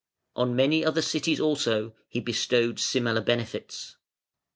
On many other cities also he bestowed similar benefits.